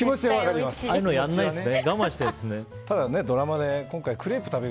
ああいうのやらないんですね。